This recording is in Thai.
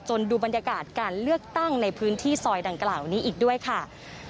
ดูบรรยากาศการเลือกตั้งในพื้นที่ซอยดังกล่าวนี้อีกด้วยค่ะ